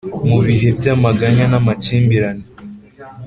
mu bihe by'amaganya n'amakimbirane.